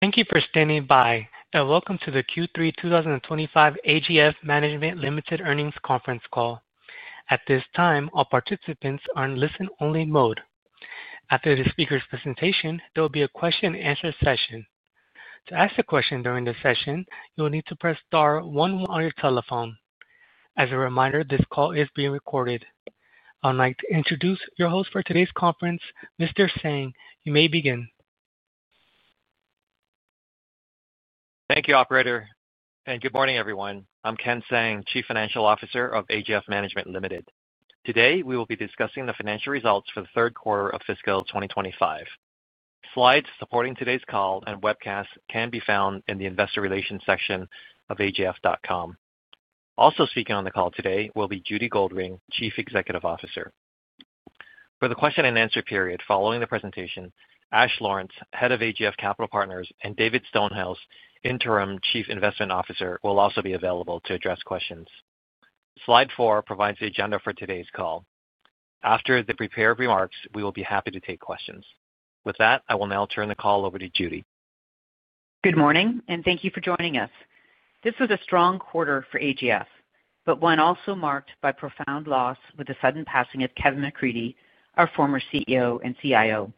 Thank you, Christina. Bye. Welcome to the Q3 2025 AGF Management Limited Earnings Conference call. At this time, all participants are in listen-only mode. After the speaker's presentation, there will be a question-and-answer session. To ask a question during the session, you will need to press star one on your telephone. As a reminder, this call is being recorded. I would like to introduce your host for today's conference, Mr. Tsang. You may begin. Thank you, Operator. Good morning, everyone. I'm Ken Tsang, Chief Financial Officer of AGF Management Limited. Today, we will be discussing the financial results for the third quarter of fiscal 2025. Slides supporting today's call and webcast can be found in the Investor Relations section of agf.com. Also speaking on the call today will be Judy Goldring, Chief Executive Officer. For the question-and-answer period following the presentation, Ash Lawrence, Head of AGF Capital Partners, and David Stonehill, Interim Chief Investment Officer, will also be available to address questions. Slide four provides the agenda for today's call. After the prepared remarks, we will be happy to take questions. With that, I will now turn the call over to Judy. Good morning, and thank you for joining us. This was a strong quarter for AGF Management Limited, but one also marked by profound loss with the sudden passing of Kevin McCreadie, our former CEO and CIO.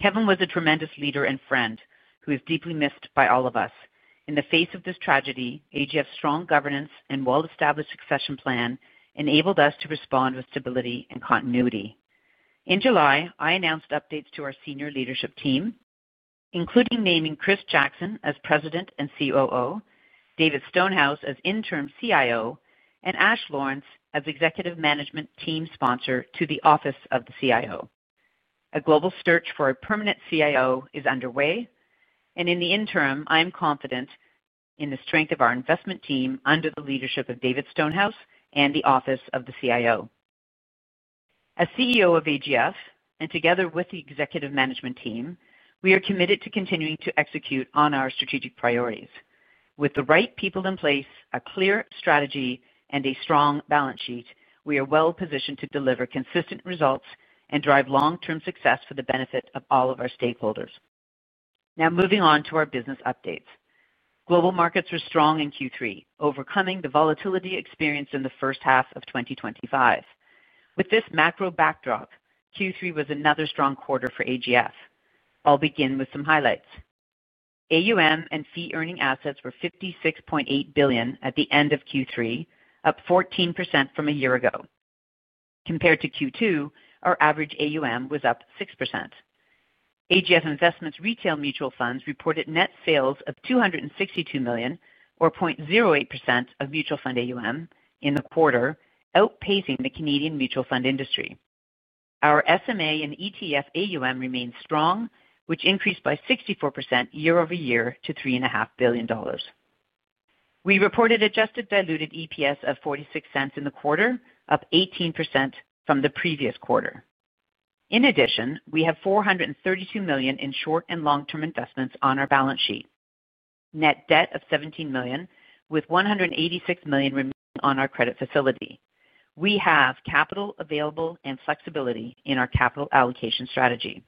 Kevin was a tremendous leader and friend who is deeply missed by all of us. In the face of this tragedy, AGF's strong governance and well-established succession plan enabled us to respond with stability and continuity. In July, I announced updates to our Senior Leadership Team, including naming Chris Jackson as President and COO, David Stonehill as Interim CIO, and Ash Lawrence as Executive Management Team Sponsor to the Office of the CIO. A global search for a permanent CIO is underway, and in the interim, I am confident in the strength of our investment team under the leadership of David Stonehill and the Office of the CIO. As CEO of AGF Management Limited, and together with the Executive Management Team, we are committed to continuing to execute on our strategic priorities. With the right people in place, a clear strategy, and a strong balance sheet, we are well positioned to deliver consistent results and drive long-term success for the benefit of all of our stakeholders. Now, moving on to our business updates. Global markets were strong in Q3, overcoming the volatility experienced in the first half of 2025. With this macro backdrop, Q3 was another strong quarter for AGF Management Limited. I'll begin with some highlights. AUM and fee-earning assets were $56.8 billion at the end of Q3, up 14% from a year ago. Compared to Q2, our average AUM was up 6%. AGF Investments Retail Mutual Funds reported net sales of $262 million, or 0.08% of mutual fund AUM in the quarter, outpacing the Canadian mutual fund industry. Our SMA and ETF AUM remained strong, which increased by 64% year over year to $3.5 billion. We reported adjusted diluted EPS of $0.46 in the quarter, up 18% from the previous quarter. In addition, we have $432 million in short and long-term investments on our balance sheet. Net debt of $17 million, with $186 million remaining on our credit facility. We have capital available and flexibility in our capital allocation strategy.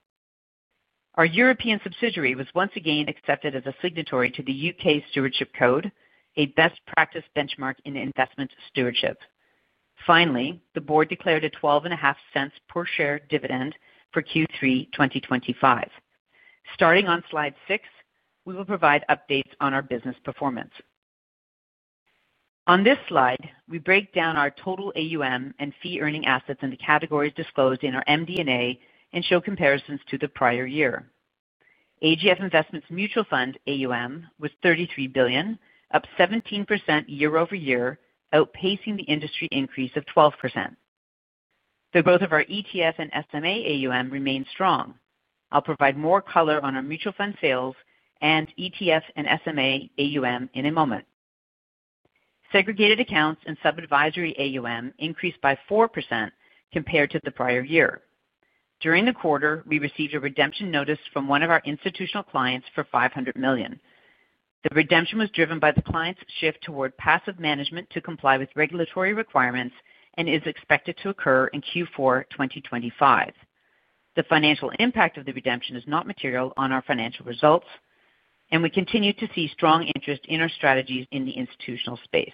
Our European subsidiary was once again accepted as a signatory to the UK Stewardship Code, a best practice benchmark in investment stewardship. Finally, the board declared a $0.12 per share dividend for Q3 2025. Starting on slide six, we will provide updates on our business performance. On this slide, we break down our total AUM and fee-earning assets in the categories disclosed in our MD&A and show comparisons to the prior year. AGF Investments Mutual Fund AUM was $33 billion, up 17% year over year, outpacing the industry increase of 12%. The growth of our ETF and SMA AUM remains strong. I'll provide more color on our mutual fund sales and ETF and SMA AUM in a moment. Segregated accounts and subadvisory AUM increased by 4% compared to the prior year. During the quarter, we received a redemption notice from one of our institutional clients for $500 million. The redemption was driven by the client's shift toward passive management to comply with regulatory requirements and is expected to occur in Q4 2025. The financial impact of the redemption is not material on our financial results, and we continue to see strong interest in our strategies in the institutional space.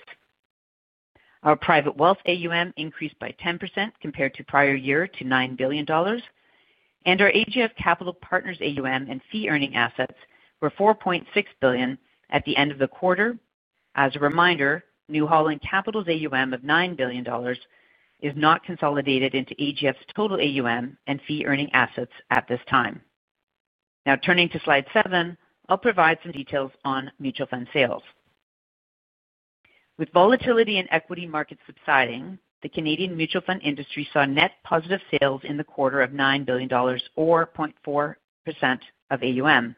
Our private wealth AUM increased by 10% compared to prior year to $9 billion, and our AGF Capital Partners AUM and fee-earning assets were $4.6 billion at the end of the quarter. As a reminder, New Holland Capital's AUM of $9 billion is not consolidated into AGF's total AUM and fee-earning assets at this time. Now, turning to slide seven, I'll provide some details on mutual fund sales. With volatility in equity markets subsiding, the Canadian mutual fund industry saw net positive sales in the quarter of $9 billion, or 0.4% of AUM.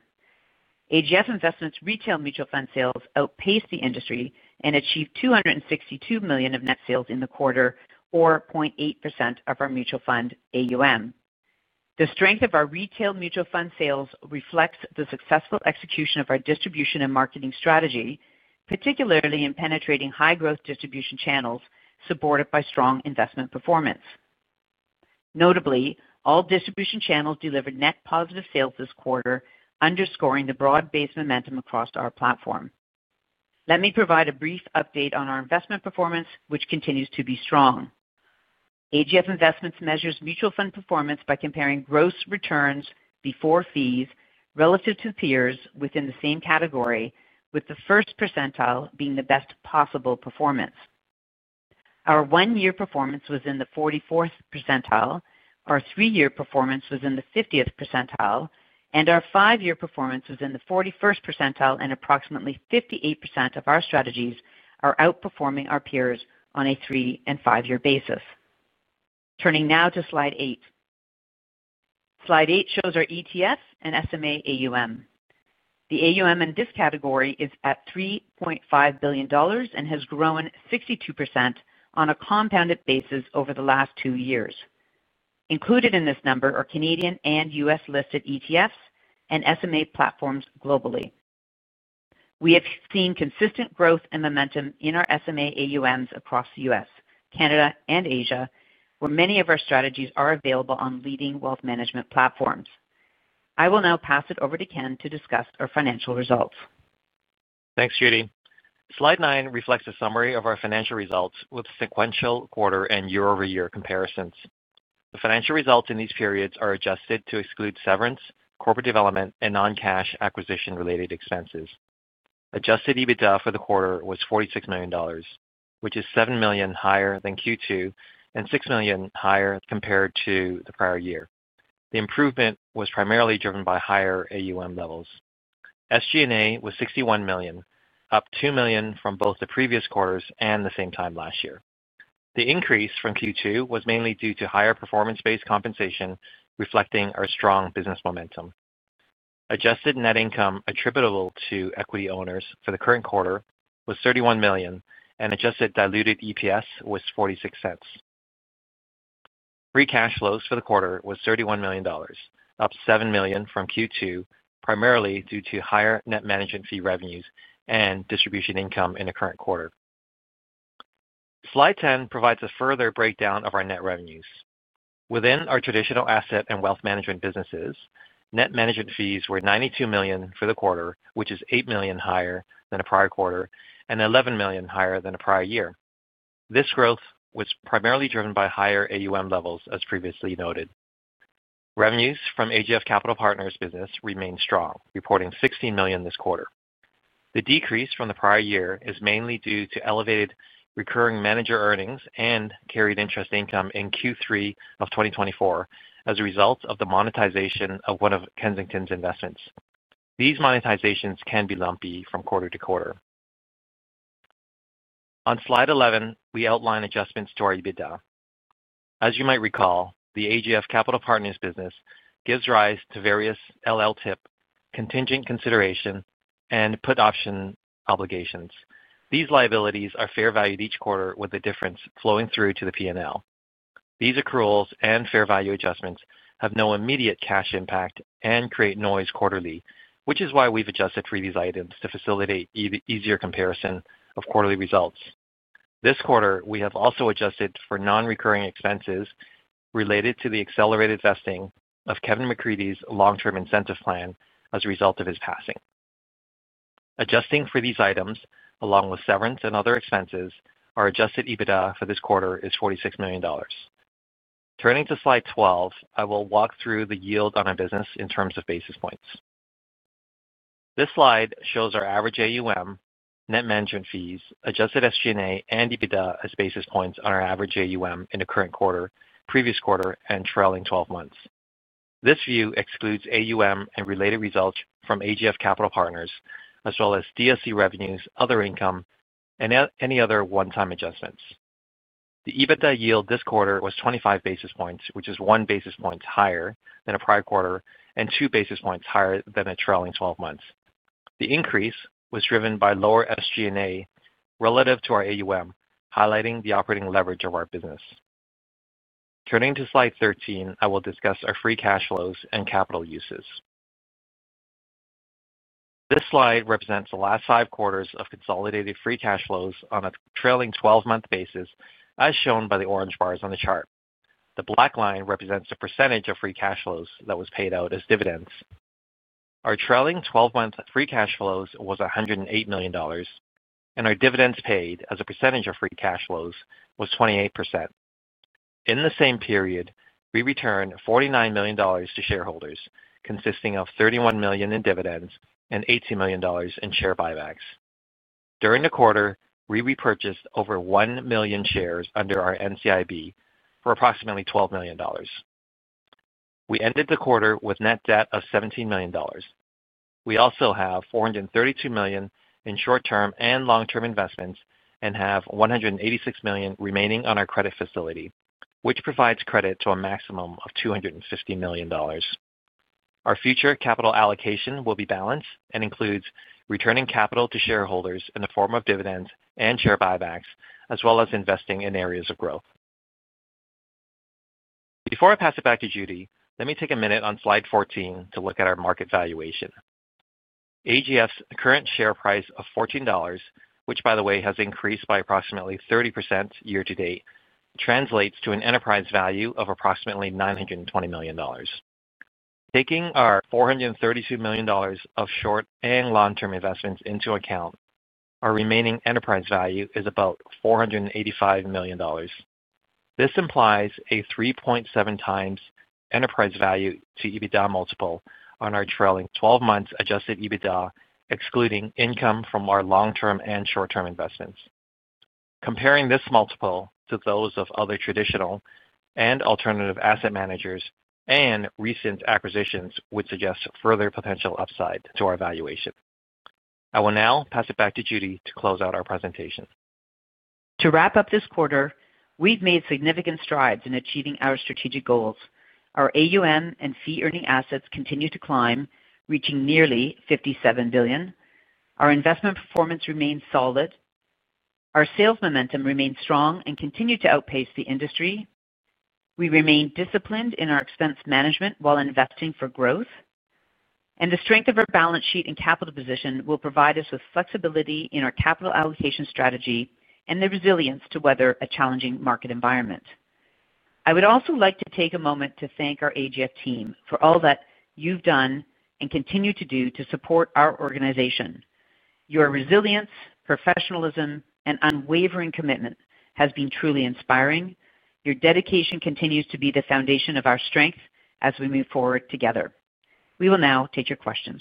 AGF Investments Retail Mutual Fund sales outpaced the industry and achieved $262 million of net sales in the quarter, or 0.8% of our mutual fund AUM. The strength of our retail mutual fund sales reflects the successful execution of our distribution and marketing strategy, particularly in penetrating high-growth distribution channels supported by strong investment performance. Notably, all distribution channels delivered net positive sales this quarter, underscoring the broad-based momentum across our platform. Let me provide a brief update on our investment performance, which continues to be strong. AGF Investments measures mutual fund performance by comparing gross returns before fees relative to peers within the same category, with the first percentile being the best possible performance. Our one-year performance was in the 44% percentile, our three-year performance was in the 50% percentile, and our five-year performance was in the 41% percentile, and approximately 58% of our strategies are outperforming our peers on a three and five-year basis. Turning now to slide eight. Slide eight shows our ETF and SMA AUM. The AUM in this category is at $3.5 billion and has grown 62% on a compounded basis over the last two years. Included in this number are Canadian and U.S.-listed ETFs and SMA platforms globally. We have seen consistent growth and momentum in our SMA AUMs across the U.S., Canada, and Asia, where many of our strategies are available on leading wealth management platforms. I will now pass it over to Ken to discuss our financial results. Thanks, Judy. Slide nine reflects a summary of our financial results with sequential quarter and year-over-year comparisons. The financial results in these periods are adjusted to exclude severance, corporate development, and non-cash acquisition-related expenses. Adjusted EBITDA for the quarter was $46 million, which is $7 million higher than Q2 and $6 million higher compared to the prior year. The improvement was primarily driven by higher AUM levels. SG&A was $61 million, up $2 million from both the previous quarters and the same time last year. The increase from Q2 was mainly due to higher performance-based compensation, reflecting our strong business momentum. Adjusted net income attributable to equity owners for the current quarter was $31 million, and adjusted diluted EPS was $0.46. Free cash flows for the quarter were $31 million, up $7 million from Q2, primarily due to higher net management fee revenues and distribution income in the current quarter. Slide 10 provides a further breakdown of our net revenues. Within our traditional asset and wealth management businesses, net management fees were $92 million for the quarter, which is $8 million higher than the prior quarter and $11 million higher than the prior year. This growth was primarily driven by higher AUM levels, as previously noted. Revenues from AGF Capital Partners' business remain strong, reporting $16 million this quarter. The decrease from the prior year is mainly due to elevated recurring manager earnings and carried interest income in Q3 of 2024 as a result of the monetization of one of Kensington's investments. These monetizations can be lumpy from quarter to quarter. On slide 11, we outline adjustments to our EBITDA. As you might recall, the AGF Capital Partners business gives rise to various LLTIP, contingent consideration, and put option obligations. These liabilities are fair valued each quarter with the difference flowing through to the P&L. These accruals and fair value adjustments have no immediate cash impact and create noise quarterly, which is why we've adjusted for these items to facilitate easier comparison of quarterly results. This quarter, we have also adjusted for non-recurring expenses related to the accelerated vesting of Kevin McCreadie's long-term incentive plan as a result of his passing. Adjusting for these items, along with severance and other expenses, our adjusted EBITDA for this quarter is $46 million. Turning to slide 12, I will walk through the yield on our business in terms of basis points. This slide shows our average AUM, net management fees, adjusted SG&A, and EBITDA as basis points on our average AUM in the current quarter, previous quarter, and trailing 12 months. This view excludes AUM and related results from AGF Capital Partners, as well as DSC revenues, other income, and any other one-time adjustments. The EBITDA yield this quarter was 25 basis points, which is one basis point higher than the prior quarter and two basis points higher than the trailing 12 months. The increase was driven by lower SG&A relative to our AUM, highlighting the operating leverage of our business. Turning to slide 13, I will discuss our free cash flows and capital uses. This slide represents the last five quarters of consolidated free cash flows on a trailing 12-month basis, as shown by the orange bars on the chart. The black line represents the percentage of free cash flows that was paid out as dividends. Our trailing 12-month free cash flows was $108 million, and our dividends paid as a percentage of free cash flows was 28%. In the same period, we returned $49 million to shareholders, consisting of $31 million in dividends and $18 million in share buybacks. During the quarter, we repurchased over 1 million shares under our NCIB for approximately $12 million. We ended the quarter with net debt of $17 million. We also have $432 million in short-term and long-term investments and have $186 million remaining on our credit facility, which provides credit to a maximum of $250 million. Our future capital allocation will be balanced and includes returning capital to shareholders in the form of dividends and share buybacks, as well as investing in areas of growth. Before I pass it back to Judy, let me take a minute on slide 14 to look at our market valuation. AGF's current share price of $14, which, by the way, has increased by approximately 30% year to date, translates to an enterprise value of approximately $920 million. Taking our $432 million of short and long-term investments into account, our remaining enterprise value is about $485 million. This implies a 3.7 times enterprise value to EBITDA multiple on our trailing 12 months adjusted EBITDA, excluding income from our long-term and short-term investments. Comparing this multiple to those of other traditional and alternative asset managers and recent acquisitions would suggest further potential upside to our valuation. I will now pass it back to Judy to close out our presentation. To wrap up this quarter, we've made significant strides in achieving our strategic goals. Our AUM and fee-earning assets continue to climb, reaching nearly $57 billion. Our investment performance remains solid. Our sales momentum remains strong and continues to outpace the industry. We remain disciplined in our expense management while investing for growth. The strength of our balance sheet and capital position will provide us with flexibility in our capital allocation strategy and the resilience to weather a challenging market environment. I would also like to take a moment to thank our AGF team for all that you've done and continue to do to support our organization. Your resilience, professionalism, and unwavering commitment have been truly inspiring. Your dedication continues to be the foundation of our strength as we move forward together. We will now take your questions.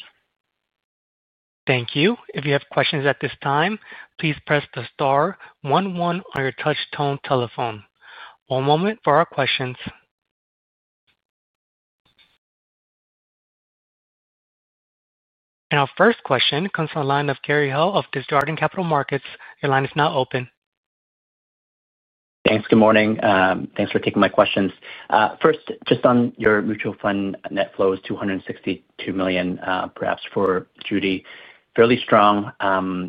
Thank you. If you have questions at this time, please press the star one one on your touch-tone telephone. One moment for our questions. Our first question comes from the line of Kerry Hill of Desjardins Capital Markets. Your line is now open. Thanks. Good morning. Thanks for taking my questions. First, just on your mutual fund net flows, $262 million, perhaps for Judy, fairly strong.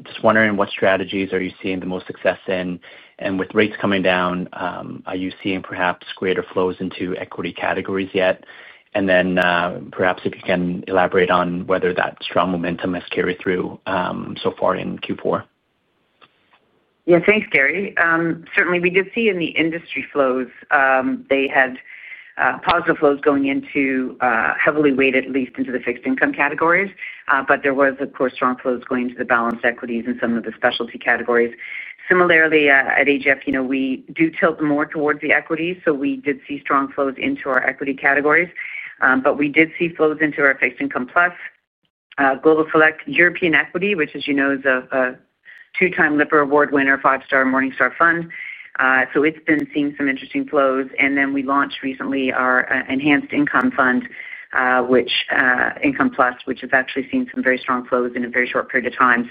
Just wondering what strategies are you seeing the most success in? With rates coming down, are you seeing perhaps greater flows into equity categories yet? Perhaps if you can elaborate on whether that strong momentum has carried through so far in Q4. Yeah, thanks, Kerry. Certainly, we did see in the industry flows, they had positive flows going into, heavily weighted at least, into the fixed income categories. There was, of course, strong flows going into the balanced equities and some of the specialty categories. Similarly, at AGF, you know, we do tilt more towards the equities, so we did see strong flows into our equity categories. We did see flows into our fixed income plus Global Select European Equity Fund, which, as you know, is a two-time Lipper Award winner, five-star Morningstar fund. It's been seeing some interesting flows. We launched recently our Enhanced Income Fund, which Income Plus, which has actually seen some very strong flows in a very short period of time.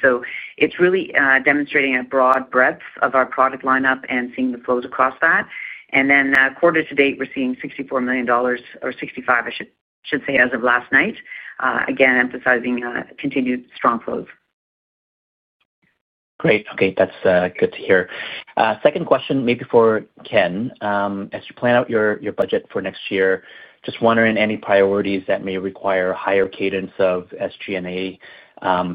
It's really demonstrating a broad breadth of our product lineup and seeing the flows across that. Quarter to date, we're seeing $64 million or $65 million, I should say, as of last night. Again, emphasizing continued strong flows. Great. Okay, that's good to hear. Second question, maybe for Ken. As you plan out your budget for next year, just wondering any priorities that may require a higher cadence of SG&A.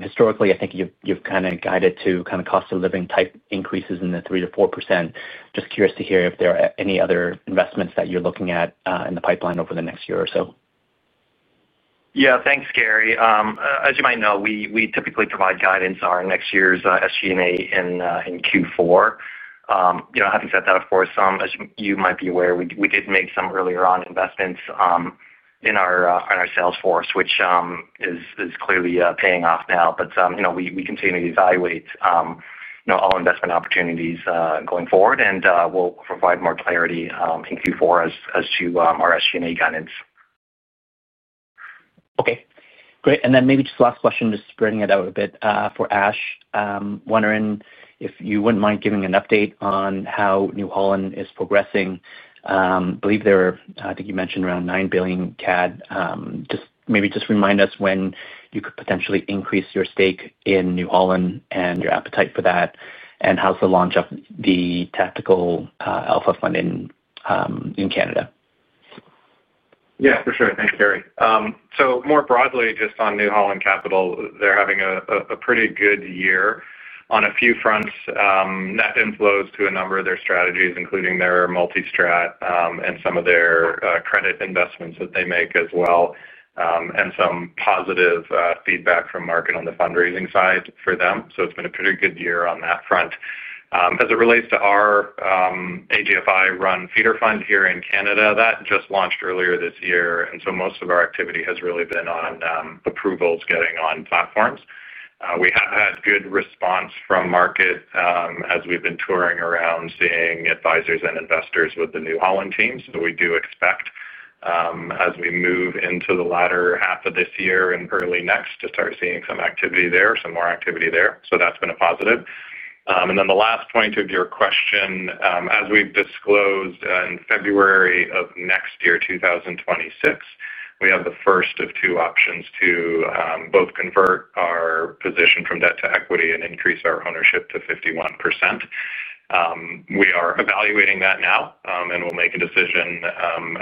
Historically, I think you've kind of guided to kind of cost of living type increases in the 3% to 4%. Just curious to hear if there are any other investments that you're looking at in the pipeline over the next year or so. Yeah, thanks, Kerry. As you might know, we typically provide guidance on next year's SG&A in Q4. Having said that, as you might be aware, we did make some earlier on investments in our sales force, which is clearly paying off now. We continue to evaluate all investment opportunities going forward, and we'll provide more clarity in Q4 as to our SG&A guidance. Okay, great. Maybe just the last question, just spreading it out a bit for Ash. Wondering if you wouldn't mind giving an update on how New Holland Capital is progressing. I believe they're, I think you mentioned around $9 billion CAD. Just maybe remind us when you could potentially increase your stake in New Holland Capital and your appetite for that, and how to launch up the tactical alpha fund in Canada. Yeah, for sure. Thanks, Kerry. More broadly, just on New Holland Capital, they're having a pretty good year on a few fronts. Net inflows to a number of their strategies, including their multi-strat and some of their credit investments that they make as well, and some positive feedback from the market on the fundraising side for them. It's been a pretty good year on that front. As it relates to our AGFI-run feeder fund here in Canada, that just launched earlier this year, and most of our activity has really been on approvals getting on platforms. We have had good response from the market as we've been touring around, seeing advisors and investors with the New Holland team. We do expect, as we move into the latter half of this year and early next, to start seeing some activity there, some more activity there. That's been a positive. The last point of your question, as we disclosed in February of next year, 2026, we have the first of two options to both convert our position from debt to equity and increase our ownership to 51%. We are evaluating that now, and we'll make a decision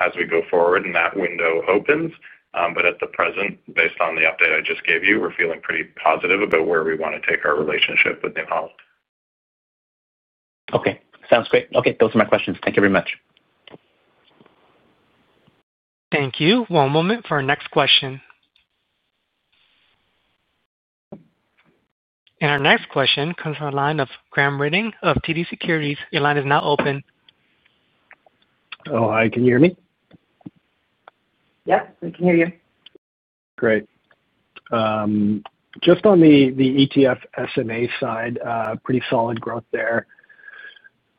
as we go forward, and that window opens. At the present, based on the update I just gave you, we're feeling pretty positive about where we want to take our relationship with New Holland. Okay, sounds great. Okay, those are my questions. Thank you very much. Thank you. One moment for our next question. Our next question comes from a line of Graham Ridding of TD Securities. Your line is now open. Hi, can you hear me? Yeah, I can hear you. Great. Just on the ETF SMA side, pretty solid growth there.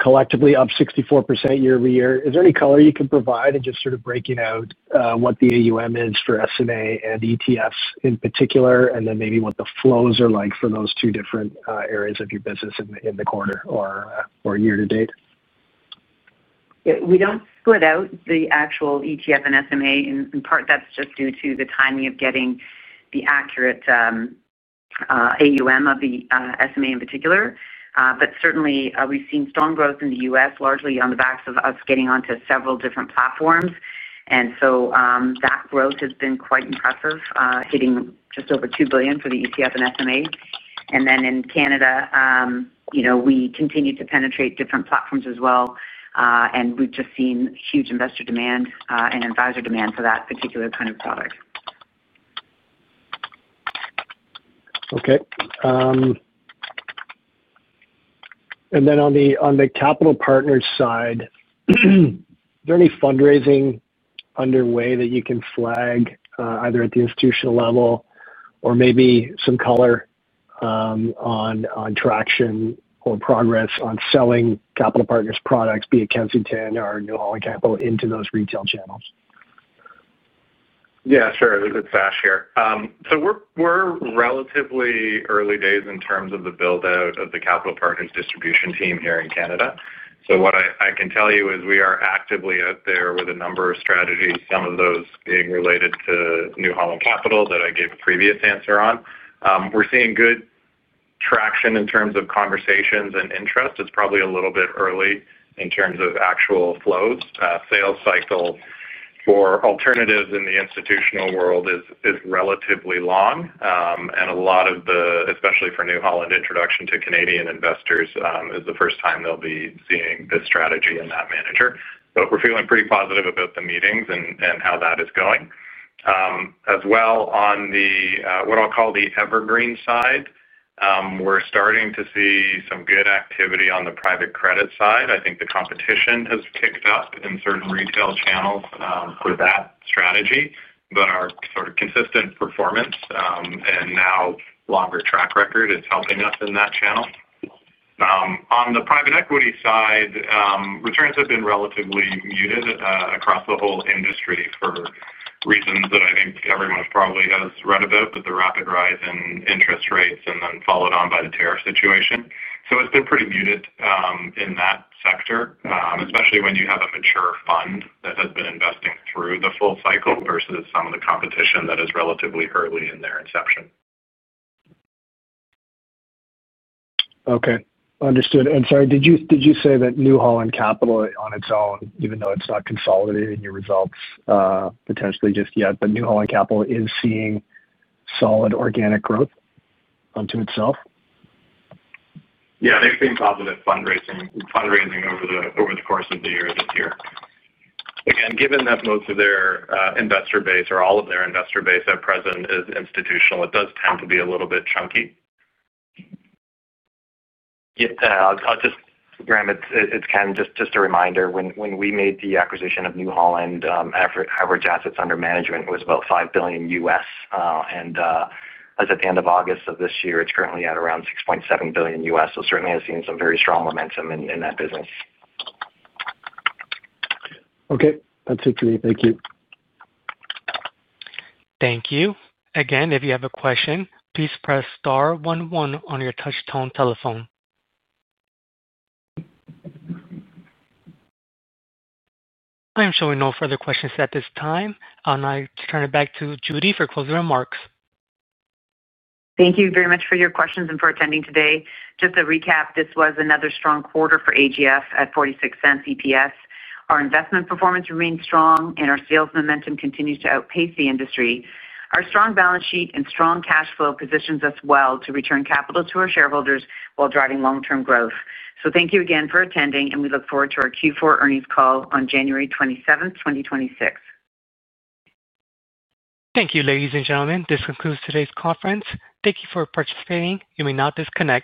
Collectively up 64% year over year. Is there any color you can provide in just sort of breaking out what the AUM is for SMA and ETFs in particular, and then maybe what the flows are like for those two different areas of your business in the quarter or year to date? We don't split out the actual ETF and SMA. In part, that's just due to the timing of getting the accurate AUM of the SMA in particular. Certainly, we've seen strong growth in the U.S., largely on the backs of us getting onto several different platforms. That growth has been quite impressive, hitting just over $2 billion for the ETF and SMA. In Canada, we continue to penetrate different platforms as well. We've just seen huge investor demand and advisor demand for that particular kind of product. Okay. On the capital partner side, is there any fundraising underway that you can flag either at the institutional level or maybe some color on traction or progress on selling AGF Capital Partners products, be it Kensington or New Holland Capital, into those retail channels? Yeah, sure. It's a good stash here. We're relatively early days in terms of the build-out of the AGF Capital Partners distribution team here in Canada. What I can tell you is we are actively out there with a number of strategies, some of those being related to New Holland Capital that I gave a previous answer on. We're seeing good traction in terms of conversations and interest. It's probably a little bit early in terms of actual flows. The sales cycle for alternatives in the institutional world is relatively long. A lot of the, especially for New Holland Capital introduction to Canadian investors, is the first time they'll be seeing this strategy and that manager. We're feeling pretty positive about the meetings and how that is going. As well, on what I'll call the evergreen side, we're starting to see some good activity on the private credit side. I think the competition has kicked up in certain retail channels for that strategy. Our sort of consistent performance and now longer track record is helping us in that channel. On the private equity side, returns have been relatively muted across the whole industry for reasons that I think everyone's probably read about, the rapid rise in interest rates and then followed on by the tariff situation. It's been pretty muted in that sector, especially when you have a mature fund that has been investing through the full cycle versus some of the competition that is relatively early in their inception. Okay. Understood. Sorry, did you say that New Holland Capital on its own, even though it's not consolidated in your results potentially just yet, but New Holland Capital is seeing solid organic growth unto itself? Yeah, they've seen positive fundraising over the course of the year this year. Again, given that most of their investor base, or all of their investor base at present, is institutional, it does tend to be a little bit chunky. Yeah, I'll just, Graham, it's Ken, just a reminder. When we made the acquisition of New Holland Capital, average assets under management was about $5 billion U.S. As at the end of August of this year, it's currently at around $6.7 billion U.S. Certainly, I've seen some very strong momentum in that business. Okay, that's it, Judy. Thank you. Thank you. Again, if you have a question, please press star one one on your touch-tone telephone. I am showing no further questions at this time. I'll now turn it back to Judy for closing remarks. Thank you very much for your questions and for attending today. Just to recap, this was another strong quarter for AGF Management Limited at $0.46 EPS. Our investment performance remains strong, and our sales momentum continues to outpace the industry. Our strong balance sheet and strong cash flow position us well to return capital to our shareholders while driving long-term growth. Thank you again for attending, and we look forward to our Q4 earnings call on January 27, 2026. Thank you, ladies and gentlemen. This concludes today's conference. Thank you for participating. You may now disconnect.